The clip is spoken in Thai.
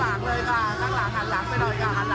อ่ะงั้นเราลาเลยนะฮะ